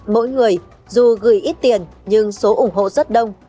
mỗi người dù gửi ít tiền nhưng số ủng hộ rất đông